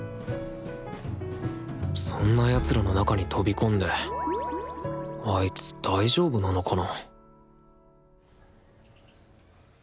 そんな奴らの中に飛び込んであいつ大丈夫なのかな？